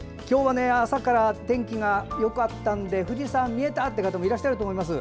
朝から天気はよかったんですが富士山が見えたという方もいらっしゃったと思います。